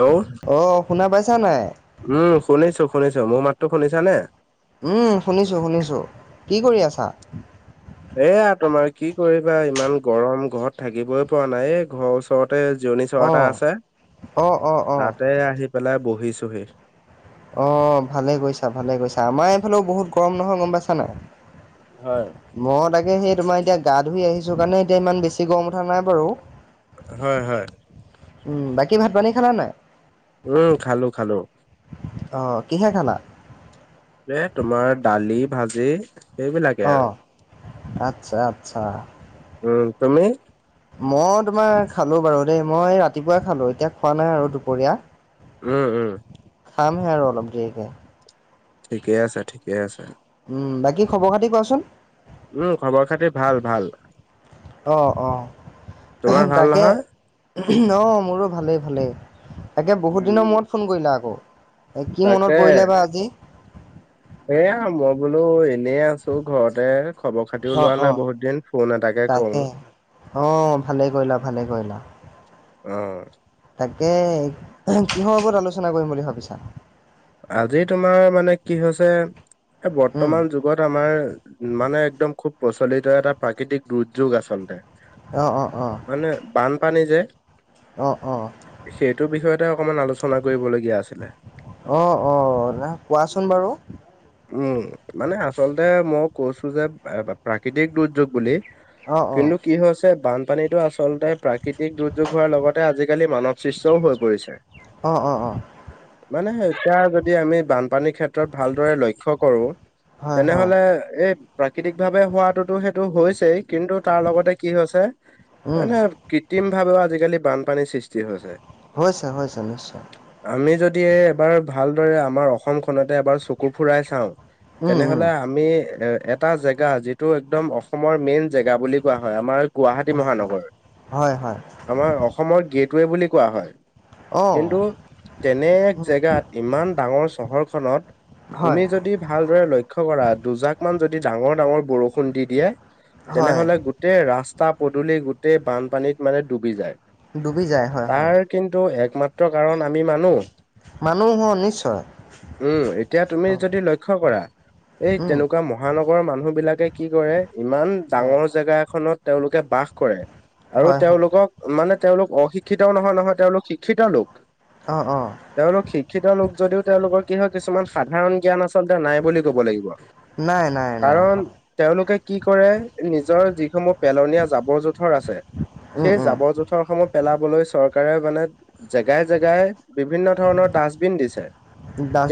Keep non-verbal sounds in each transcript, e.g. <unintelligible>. Hello অ', শুনা পাইছা নাই? উম, শুনিছোঁ, শুনিছোঁ মোৰ মাতটো শুনিছানে? উম, শুনিছোঁ, শুনিছোঁ। কি কৰি আছা? এয়া তোমাৰ কি কৰিবা ইমান গৰম ঘৰত থাকিবই পৰা নাই, এ ঘৰৰ ওচ ওচৰতে জিৰণী চৰা এটা অ', আছে, অ', অ', অ'। তাতে আহি পেলাই বহিছোঁহি। অ', ভালেই কৰিছা, ভালেই কৰিছা। আমাৰ এইফালেও বহুত গৰম নহয় গম পাইছা নাই? হয়। মই তাকে সেই তোমাৰ এতিয়া গা ধুই আহিছোঁ কাৰণে এতিয়া ইমান বেছি গৰম উঠা নাই বাৰু। হয়, হয়। উম, বাকী ভাত পানী খালা নাই? উম, খালোঁ, খালোঁ। অ', কিহে খালা? এ, তোমাৰ দালি, ভাজি। সেইবিলাকে আৰু অ', আচ্ছা, আচ্ছা। উম, তুমি? মই তোমাৰ খালোঁ বাৰু দেই। মই ৰাতিপুৱাই খালোঁ, এতিয়া খোৱা নাই আৰু দুপৰীয়া। উম, উম। খামহে আৰু অলপ দেৰিকে। ঠিকে আছে, ঠিকে আছে। উম, বাকী খবৰ খাতি কোৱাচোন? উম, খবৰ খাতিৰ ভাল, ভাল। অ', অ', তোমাৰ ভাল তাকে নহয়? অ', মোৰো ভালেই, ভালেই। তাকে বহুত দিনৰ উম মূৰত ফোন কৰিলা আকৌ, এই কি মনত তাকে পৰিলে বা আজি? এয়া মই বোলো এনেই আছ চোৰ ঘৰতে, খবৰ খাতিও অ লোৱা অ নাই বহুত দিন ফোন এটাকে কৰো। অঁ ভালে কৰিলা ভালে কৰিলা। অঁ। তাকে, কিহৰ ওপৰত আলোচনা কৰিম বুলি ভাবিছা? আজি তোমাৰ মানে কি হৈছে এ উম বৰ্তমান যুগ যুগত আমাৰ মানে একদম খুব প্ৰচলিত এটা প্ৰাকৃতিক দুৰ্যোগ আচলতে। অঁ', অঁ', অঁ'। মানে বানপানী যে অঁ', অঁ'। সেইটো বিষয়তে অকনমান আলোচনা কৰিবলগীয়া আছিলে। অঁ অঁ ৰা কোৱাচোন বাৰু। উম, মানে আচলতে মই কৈছো যে প্ৰাকৃতিক দুৰ্যোগ বুলি অ অ কিন্তু কি হৈছে বানপানীটো আচলতে প্ৰাকৃতিক দুৰ্যোগ হোৱাৰ লগতে আজিকালি মানৱ সৃষ্টও হৈ পৰিছে। <unintelligible> অঁ অঁ অঁ'। মানে এতিয়া যদি আমি বানপানীৰ ক্ষেত্ৰত ভালদৰে লক্ষ্য কৰো হয় হয় তেনেহলে এই প্ৰাকৃতিক ভাৱে হোৱাটোতো সেইটো হৈছেই কিন্তু তাৰ লগতে কি হৈছে উম মানে কৃত্ৰিম ভাৱেও আজিকালি বানপানীৰ সৃষ্টি হৈছে। হৈছে হৈছে নিশ্চয়। আমি যদি এবাৰ ভালদৰে আমাৰ অসম খনতে এবাৰ চকু ফুৰাই চাওঁ উম উম তেনেহলে আমি এ এটা জেগা যিটো একদম অসমৰ মেইন জেগা বুলি কোৱা হয় আমাৰ গুৱাহাটী হয় মহানগৰ, হয় হয় আমাৰ অসমৰ গেটৱে বুলি কোৱা হয়। অ কিন্তু তেনে এক উম জেগাত ইমান ডাঙৰ চহৰখনত হয় তুমি যদি ভালদৰে লক্ষ্য কৰা দুজাক মান যদি ডাঙৰ ডাঙৰ বৰষুণ দি দিয়ে হয় তেনেহলে গোটেই ৰাস্তা পদূলি গোটেই বানপানীত মানে ডুবি যায়। ডুবি যায় হয় হয়। তাৰ কিন্তু একমাত্ৰ কাৰণ আমি মানু্হ। মানুহ অঁ নিশ্চয়। উম, এতিয়া তুমি অ যদি লক্ষ্য কৰা, এই উম তেনেকুৱা মহানগৰৰ মানুহ বিলাকে কি কৰে ইমান হয় ডাঙৰ জেগা এখনত তেওঁলোকে বাস কৰে, আৰু হয় হয় তেওঁলোকক মানে তেওঁলোক অশিক্ষিতও নহয় নহয়, তেওঁলোক শিক্ষিত লোক। অঁ', অঁ'। তেওঁলোক শিক্ষিত লোক যদিও তেওঁলোকৰ কি হয়, কিছুমান সাধাৰণ জ্ঞান আচলতে নাই বুলি কব লাগিব। নাই নাই নাই কাৰণ হয় তেওঁলোকে কি কৰে, নিজৰ যিসমূহ পেলনীয়া জাবৰ জোথৰ আছে উম সেই জাবৰ উম জোঁথৰ সমূহ পেলাবলৈ চৰকাৰে মানে জেগাই জেগাই বিভিন্ন ধৰণৰ ডাষ্টবিন দিছে,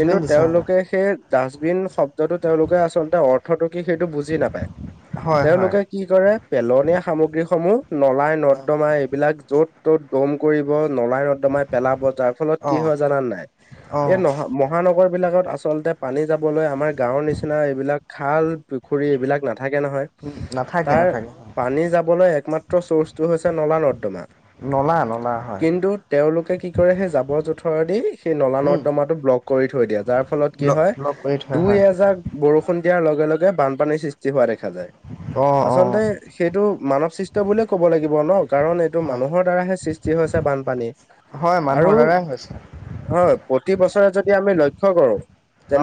কিন্তু দিছে হয় তেওঁলোকে সেই ডাষ্টবিন শব্দটো তেওঁলোকে আচলতে অৰ্ অৰ্থটো কি সেইটো বুজি নাপায়, হয় হয় তেওঁলোকে কি কৰে পেলনীয়া সামগ্ৰীসমূহ নলাই হয় নৰ্দমা এইবিলাক য'ত ত'ত দম কৰিব নলাই নৰ্দমাই পেলাব যাৰ ফলত কি অঁ হয় জানা নে নাই? অঁ এই নহ মহানগৰ সেইবিলাকত আচলতে পানী যাবলৈ আমাৰ গাঁৱৰ নিচিনা এইবিলাক খাল-পুখুৰী এইবিলাক নাথাকে নহয়। উম, নাথাকে তাৰ নাথাকে। পানী যাবলৈ একমাত্ৰ চৰ্চটো হৈছে নলা-নৰ্দমা। নলা-নলা হয়। তেওঁলোকে কি কৰে সেই জাৱৰ-জোঁথৰে দি সেই উম নলা-নৰ্দমাটো ব্লক থৈ দিয়ে। যাৰ ফলত কি ব্লক হয়, ব্লক কৰি থয় হয় দুই-এজাক বৰষুণ দিয়াৰ লগে লগে বানপানীৰ সৃষ্টি হোৱা দেখা যায়। অ'। আচলতে সেইটো মানৱ সৃষ্ট বুলিয়ে ক'ব লাগিব ন', কাৰণ এইটো হয় মানুহৰ দ্বাৰাহে সৃষ্ট ষ্টি হৈছে বানপানী। হয়, আৰু মানুহৰ দ্বাৰাই হৈছে। হয় প্ৰতি বছৰে যদি আমি লক্ষ্য কৰো।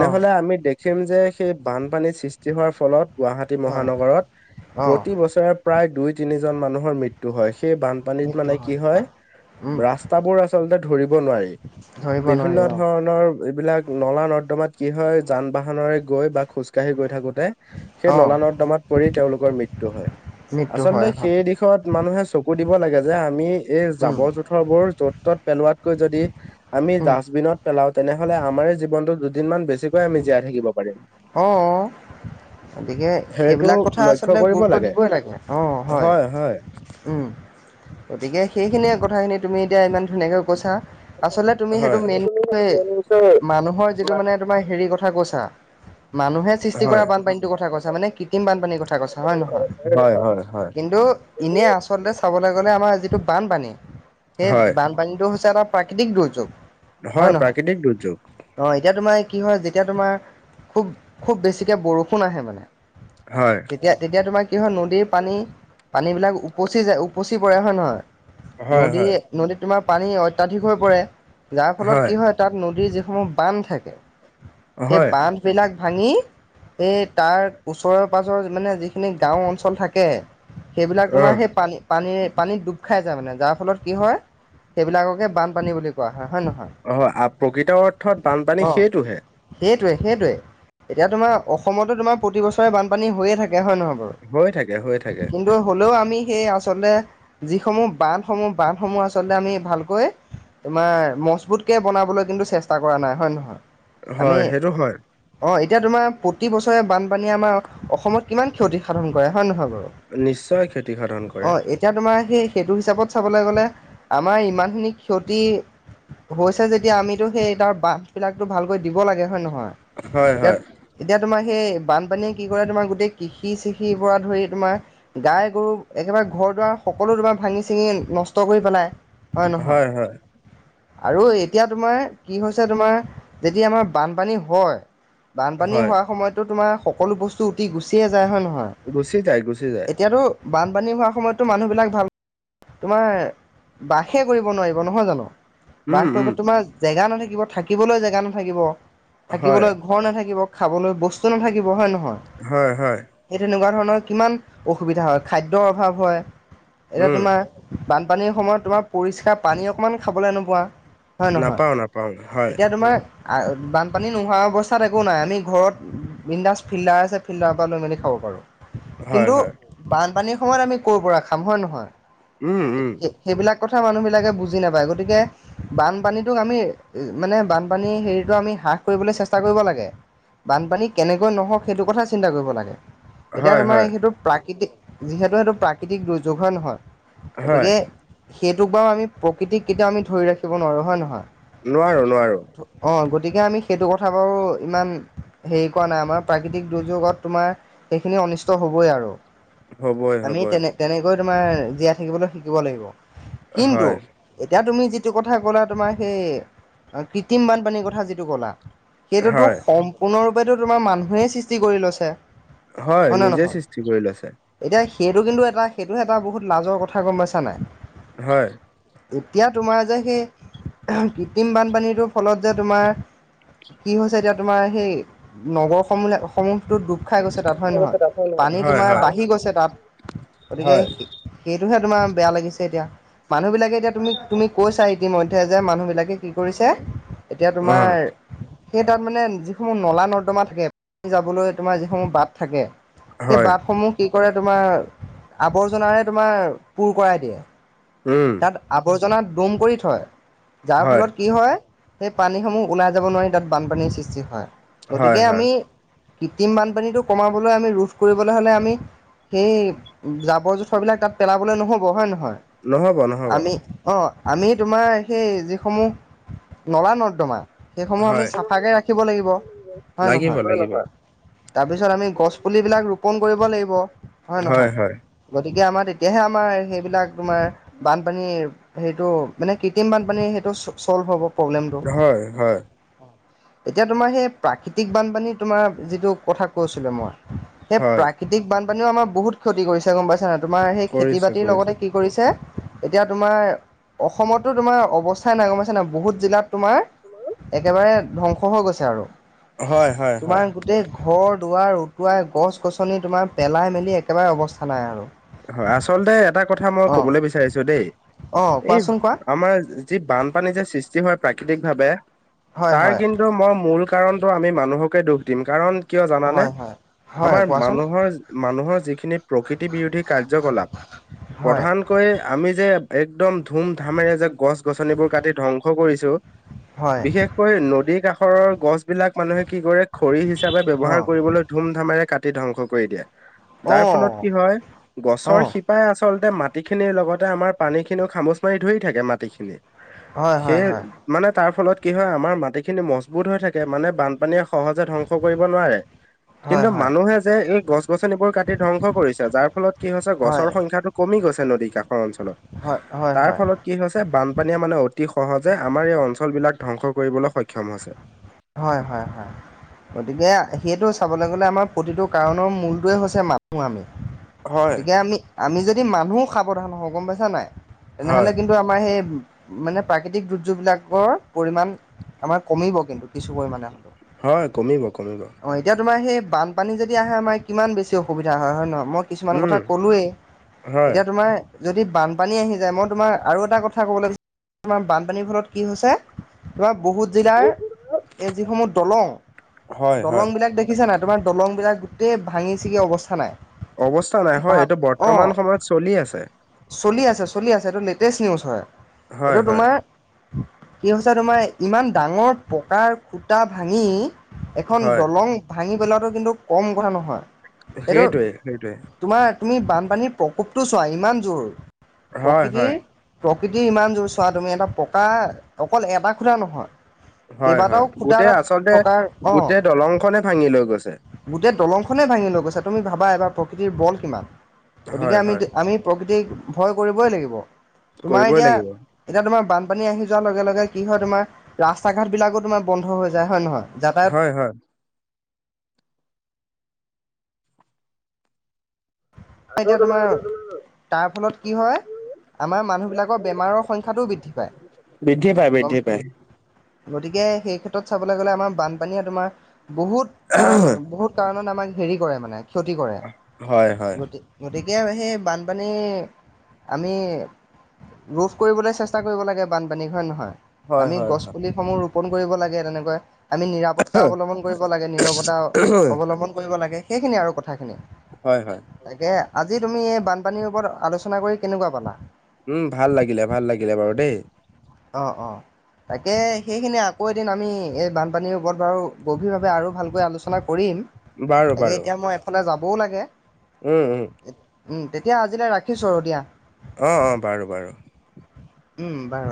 অঁ আমি <unintelligible> যে সেই বানপানীৰ সৃষ্টি হোৱাৰ ফলত গুৱাহাটী হয় মহানগৰত অঁ প্ৰতি বছৰে প্ৰায় দুই-তিনিজন মানুহৰ মৃত্যু হয়। সেই বানপানীত মানে কি হয় উম ৰাস্তাবোৰ আচলতে ধৰিব নোৱাৰি, ধৰিব নোৱাৰি বিভিন্ন অঁ ধৰণৰ এইবিলাক নলা-নৰ্দমাত কি হয়, যান-বাহনেৰে গৈ বা খোজ কাঢ়ি গৈ থাকোতে। সেই অঁ নলা-নৰ্দমাত পৰি তেওঁলোকৰ মৃত্য হয়। মৃত্যু হয় আচলতে হয় সেই দিশত শত মানুহে চকু দিব লাগে। যে আমি এই উম জাৱৰ-জোথৰবোৰ য'ত ত'ত পেলোৱাতকৈ যদি আমি উম ডাষ্টবিনত পেলাও তেনেহ'লে আমাৰ জীৱনটো দুদিনমান বেছিকৈ আমি জীয়াই থাকিব পাৰিম। অ'। গতিকে সেইটো সেইবিলাক কথা লক্ষ্য আচলতে কৰিব গুৰুত্ব দিবই লাগে। অ' হয়! উম <inaudible> গতিকে সেইখিনিয়ে কথাখিনি তুমি এতিয়া ইমান ধুনীয়াকে কৈছা। আচলতে তুমি সেইটো হয় মেইন মানুহৰ যিটো মানে হেৰি কথা কৈছা। মানুহে সৃষ্টি কৰা হয় বানপানীটোৰ কথা কৈছা, মানে কৃত্ৰিম বানপানীৰ কথা কৈছা। হয় নহয়? হয় হয় হয় কিন্তু এনে আচলতে চাবলৈ গ'লে আমাৰ যিটো বানপানী সেই হয় বান পানীটো হৈছে এটা প্ৰাকৃতিক দুৰ্যোগ। হয়, প্ৰাকৃতিক দুৰ্যোগ। অ' এতিয়া তোমাৰ কি হয়, যেতিয়া তোমাৰ খুব খুব বেছিকে বৰষুণ আহে মানে। হয়'। তেতিয়া-তেতিয়া তোমাৰ কি হয়, নদীৰ পানী পানীবিলাক উপচি যায় উপচি পৰে। হয়নে নহয়? হয় হয় নদী-নদীত তোমাৰ পানী অত্যাধিক হৈ পৰে। যাৰ ফলত কি হয় তাত নদীৰ যিসমূহ বান্ধ থাকে। হয়। বানবিলাক ভাঙি এই তাৰ ওচৰৰ পাজৰ মানে যিখিনি গাঁও অঞ্চল থাকে। সেইবিলাক অ তোমাৰ সেই পানী পানী-পানীত ডুব খাই যায় মানে। যাৰ ফলত কি হয়, সেইবিলাককে বানপানী বুলি কোৱা হয়। হয়নে নহয়? অ' প্ৰকৃত অৰ্থত বানপানী সেইটোহে। সেইটোৱে-সেইটোৱে এতিয়া তোমাৰ অসমতো তোমাৰ প্ৰতিবছৰে বানপানী হৈয়ে থাকে। হয় নহয় বাৰু? গৈ থাকে হৈ থাকে। কি হ'লেও আমি সেই আচলতে যিসমূহ বান্ধসমূহ-বান্ধসমূহ আচলতে আমি ভালকৈ তোমাৰ মজবুতকে বনাবলৈ কিন্তু চেষ্টা কৰা নাই। হয় নে নহয়? হয়, সেইটো হয়। অঁ! এতিয়া তোমাৰ প্ৰতি বছৰে বানপানীয়ে আমাৰ অসমত কিমান ক্ষতি সাধন কৰে হয় নহয় বাৰু। নিশ্চয় ক্ষতি সাধন অ কৰে। এতিয়া তোমাৰ সেই সেইটো হিচাপত চাবলৈ গ'লে আমাৰ ইমানখিনি ক্ষতি হৈছে যেতিয়া আমিতো সেই তাৰ বান্ধবিলাকটো ভালকৈ দিব লাগে হয় নহয়। হয় এতিয়া হয় এতিয়া তোমাৰ সেই বানপানীয়ে কি কৰে তোমাৰ গোটেই কৃষি-কৃষিৰ পৰা ধৰি তোমাৰ গাই গৰু একেবাৰে ঘৰ-দুৱাৰ সকলো দুবাৰ ভাঙি চিঙি নষ্ট কৰি পেলাই। হয় নহয়? আৰু এতিয়া তোমাৰ কি হৈছে তোমাৰ যেতিয়া আমাৰ বানপানী হয় বানপানী হয় হোৱাৰ সময়তো তোমাৰ সকলো বস্তু উটি গুচিয়ে যায় হয় নহয়? গুচি যায়, গুচি যায়। এতিয়াতো বানপানী হোৱাৰ সময়তো মানুহবিলাক ভাল তোমাৰ বাসে কৰিব নোৱাৰিব নহয় জানো? উম বাস কৰিব উম তোমাৰ জেগা নাথাকিব থাকিবলৈ জেগা নাথাকিব। হয় থাকিবলৈ ঘৰ নাথাকিব, খাবলৈ বস্তু নাথাকিব হয় নহয়? হয়-হয়। এই তেনেকুৱা ধৰণৰ কিমান অসুবিধা হয় খাদ্যৰ অভাৱ হয়, এতিয়া উম তোমাৰ বানপানীৰ সময়ত তোমাৰ পৰিস্কাৰ পানী অকমানো খাবলৈ নোপোৱা। হয় নহয়? নাপাওঁ নাপাওঁ হয় এতিয়া তোমাৰ আ বান পানী নোহোৱা অৱস্থাত একো নাই আমি ঘৰত, বিণ্ডাছ ফিল্ডাৰ আছে ফিল্ডাৰৰ পৰা লৈ মেলি খাব পাৰোঁ। হয় কিন্তু হয় বানপানীৰ সময়ত আমি ক'ৰ পৰা খাম হয় নহয়? উম উম <inaudible> সেইবিলাক কথা মানুহবিলাকে বুজি নাপায় গতিকে বানপানীটোক আমি মানে বানপানীৰ হেৰিতো আমি হ্ৰাস কৰিবলৈ চেষ্টা কৰিব লাগে, বানপানী কেনেকৈ নহওক সেইটো কথা চিন্তা কৰিব লাগে। এতিয়া হয় তোমাৰ হয় সেইটো প্ৰাকৃতিক যিহেতু সেইটো প্ৰাকৃতিক দুৰ্যোগ হয় নহয়। হয় গতিকে, সেইটোক বাৰু আমি প্ৰকৃতিক কেতিয়াও আমি ধৰি ৰাখিব নোৱাৰো হয় নহয়? নোৱাৰো-নোৱাৰো। অঁ! গতিকে আমি সেইটো কথা বাৰু ইমান, হেৰি কৰা নাই আমাৰ প্ৰাকৃতিক দুৰ্যোগত তোমাৰ সেইখিনি অনিষ্ট হবই আৰু। হ'বই আমি হ'বই তেনে তেনেকৈ তোমাৰ জীয়াই থাকিবলৈ শিকিব লাগিব। কিন্তু হয় এতিয়া তুমি যিটো কথা ক'লা তোমাৰ সেই, কৃত্ৰিম বানপানীৰ কথা যিটো ক'লা। সেইটোতো হয় সম্পূৰ্ণৰূপেতো তোমাৰ মানুহেই সৃষ্টি কৰি লৈছে। হয়, নে নিজে নহয় সৃষ্টি কৰি লৈছে। এতিয়া সেইটো কিন্তু এটা সেইটো এটা বহুত লাজৰ কথা গম পাইছা নাই? হয়। এতিয়া তোমাৰ যে সেই <unintelligible> কৃত্ৰিম বানপানীটোৰ ফলত যে তোমাৰ কি হৈছে এতিয়া তোমাৰ সেই, নগৰসমূহ লাক সমূহ টো ডুব খাই গৈছে তাত হয় নহয়, পানী হয় তোমাৰ হয় বাঢ়ি গৈছে তাত, গতিকে হয় সেইটোহে তোমাৰ বেয়া লাগিছে এতিয়া। মানুহ বিলাকে এতিয়া তুমি-তুমি কৈছা ইতিমধ্যে যে মানুহ বিলাকে কি কৰিছে এতিয়া অ তোমাৰ সেই তাত মানে যিসমূহ নলা-নৰ্দমা থাকে, পানী যাবলৈ তোমাৰ যিসমূহ বাট থাকে সেই হয় বাটসমূহ কি কৰে তোমাৰ, আৱৰ্জনাৰে তোমাৰ পূৰ কৰাই দিয়ে। উম! তাত আৱৰ্জনা দম কৰি থয়, যাৰ হয় ফলত কি হয়, সেই পানীসমূহ ওলাই যাব নোৱাৰি তাত বানপানীৰ সৃষ্টি হয়। হয় গতিকে হয় আমি কৃত্ৰিম বানপানীটো কমাবলৈ আমি ৰোধ কৰিবলৈ হলে আমি সেই জাবৰ জোথৰবিলাক তাত পেলাবলৈ নহ'ব হয় নে নহয়? নহ'ব ন আমি অঁ আমি তোমাৰ সেই যিসমূহ নলা নৰ্দমা। সেইসমূহ আমি হয় চাফাকে ৰাখিব লাগিব হয় লাগিব নহয়। লাগিব তাৰপিছত আমি গছ পুলিবিলাক ৰোপন কৰিব লাগিব, হয় নহয়। গতিকে আমাৰ তেতিয়াহে আমাৰ সেইবিলাক তোমাৰ বানপানীৰ সেইটো মানে কৃত্ৰিম বানপানী সেইটো ছ ছ'ল্ভ হ'ব প্ৰব্লেমটো। হয় হয় এতিয়া তোমাৰ সেই প্ৰাকৃতিক বানপানী তোমাৰ যিটো কথা কৈছিলো মই। সেই হয় প্ৰাকৃতিক বানপানীও আমাৰ বহুত ক্ষতি কৰিছে গম পাইছা নাই তোমাৰ সেই খেতি কৰিছো বাতিৰ কৰিছো লগতে কি কৰিছে। এতিয়া তোমাৰ, অসমতো তোমাৰ অৱস্থাই নাই গম পাইছা নাই বহুত জিলাত তোমাৰ একেবাৰে ধ্বংস হৈ গৈছে আৰু হয় হয় হয় তোমাৰ গোটেই ঘৰ দুৱাৰ উটুৱাই গছ গছনি তোমাৰ পেলাই মেলি একেবাৰে অৱস্থা নাই আৰু। হয় আচলতে এটা কথা মই অ কবলৈ বিচাৰিছো দেই অ এই কোৱাচোন কোৱা আমাৰ যি বানপানী যে সৃষ্টি হয় প্ৰাকৃতিক ভাৱে হয় তাৰ হয় কিন্তু মই মূল কাৰণটো আমি মানুহকে দুখ দিম কাৰণ কিয় জানা নে হয় হয় হয় আমাৰ কোৱাচোন মানুহৰ মানুহৰ যিখিনি প্ৰকৃতি বিৰোধী কাৰ্যকলাপ হয় প্ৰধান কৈ আমি যে একদম ধুম ধামেৰে যে গছ গছনিবোৰ কাটি ধ্বংস কৰিছো। হয় বিশেষকৈ নদীৰ কাষৰৰ গছ বিলাক মানুহে কি কৰে খৰি হিচাপে অ ব্যৱহাৰ কৰিবলৈ ধুম ধামেৰে কাটি ধ্বংস কৰি দিয়ে অ যাৰ ফলত কি হয়। অ গছৰ শিপাই আচলতে মাটি খিনিৰ লগতে আমাৰ পানী খিনিও খামুচ মাৰি ধৰি থাকে মাটিখিনি। হয় হয় সেই হয় মানে তাৰ ফলত কি হয় আমাৰ মাটিখিনি মজবুত হৈ থাকে মানে বানপানীয়ে সহজে ধ্বংস কৰিব নোৱাৰে। <inaudible> কিন্তু মানুহে যে এই গছ গছনিবোৰ কাটি ধ্বংস কৰিছে যাৰ ফলত কি হৈছে গছৰ হয় সং খ্যাটো কমি গৈছে নদী কাষৰ অঞ্চলত হয় হয় তাৰ হয় ফলত কি হৈ ছে বানপানীয়ে মানে অতি সহজে আমাৰ এই অঞ্চল বিলাক ধ্বংস কৰিবলৈ সক্ষম হৈছে। হয় হয় হয় গতিকে সেইটো চাবলৈ গ'লে আমাৰ প্ৰতিটো কাৰণৰ মূলটোৱে হৈছে মা নুহে আমি হয় গতিকে আমি, এতিয়া আমি যদি মানুহ সাৱধান হওঁ গম পাইছা নাই তেনেহলে হয়, কি ন্তু আমাৰ সেই মানে প্ৰাকৃতিক দুৰ্যোগবিলাকৰ পৰিমাণ আমাৰ কমিব কিন্তু। কিছু পৰিমাণে। হয় কমিব কমিব। অ' এতিয়া তোমাৰ সেই বানপানী যদি আহে আমাৰ কিমান বেছি অসুবিধা হয় নহয় মই কিছুমান উম, কথা ক'লোৱেই হয়। এতিয়া তোমাৰ যদি বানপানী আহি যায় মই তোমাৰ আৰু এটা কথা ক'ব লাগিব তোমাৰ বানপানীৰ ফলত কি হৈছে। আমাৰ বহুত জিলাৰ এই যিসমূহ দলং হয়, হয়, দলংবিলাক দে শুনিছা নাই তোমাৰ দলংবিলাক গোটেই ছিগি অৱস্থা নাই। অৱস্থা নাই হয় ভাৱ এইটো অ বৰ্তমান সময়ত চলি আছে। চলি আছে চলি আছে এইটো লেটেষ্ট নিউজ হয়। হয়, এইটো হয়, তোমাৰ কি হৈছে তোমাৰ ইমান ডাঙৰ পকাৰ খুটা ভাঙি এখন হয়, দলং ভাঙি পেলোৱাটো কিন্তু কম কথা নহয়। এইটো সেইটোৱে সেইটোৱে। তোমাৰ তুমি বানপানীৰ প্ৰকোপটো চোৱা ইমান জোৰ, হয়, প্ৰকৃতিৰ হয়, প্ৰকৃতি ইমান জোৰ চোৱা তুমি এটা পকা অকল এটা খুটা নহয় হয় কেইবাটাও হয় খুটা গোটেই তাত আচলতে থকাৰ অ গোটেই দলংখনে ভাঙি লৈ গৈছে। গোটেই দলংখনেই ভাঙি লৈ গৈছে, তুমি ভাবা এবাৰ প্ৰকৃতিৰ বল কিমান? গতিকে হয়, আমি হয়, আমি প্ৰকৃতিক ভয় কৰিবই লাগিব, তোমাৰ কৰিবই এতিয়া লাগিব। এতিয়া তোমাৰ বানপানী আহি যোৱাৰ লগে লগে কি হয় তোমাৰ ৰাস্তা ঘাট বিলাকো তোমাৰ বন্ধ হৈ যায়। হয় নে নহয়? যাতায়াত হয় হয়। এট তোমাৰ এইটো তোমাৰ তাৰ ফলত কি হয়? আমাৰ মানুহ বিলাকৰ বেমাৰৰ সংখ্যাটোও বৃদ্ধি পায়। বৃদ্ধি পায় গম বৃদ্ধি পায়। গতিকে সেই ক্ষেত্ৰত চাবলে গ'লে আমাৰ বানপানীয়ে তোমাৰ বহুত কাৰণ বহুত কাৰণত আমাক হেৰি কৰে মানে ক্ষতি কৰে। হয় হ গতি গতিকে সেই বানপানী আমি ৰোধ কৰিবলৈ চেষ্টা কৰিব লাগে বানপানীক, হয় নে নহয়? হয়, আমি হয়, হয়। গছপুলি সমূহ ৰোপন কৰিব লাগে তেনেকৈ। আমি নিৰাপত্তা অৱলম্বন কৰিব লাগে, নিৰৱতা অৱলম্বন কৰিব লাগে সেইখিনিয়ে আৰু কথাখিনি। হয় হয়। তাকে আজি তুমি এই বানপানীৰ ওপৰত আলোচনা কৰি কেনেকুৱা পালা? উম ভাল লাগিলে ভাল লাগিলে বাৰু দেই। অঁ অঁ। তাকে সেইখিনি আকৌ এদিন আমি এই বানপানীৰ ওপৰত বাৰু গভীৰভাৱে আৰু ভালকৈ আলোচনা কৰিম, বাৰু, তাকে বাৰু, এতিয়া মই এফালে যাবও লাগে। উম উম। উম তেতিয়া আজিলে ৰাখিছোঁ আৰু দিয়া। অঁ অঁ বাৰু বাৰু। উম বাৰু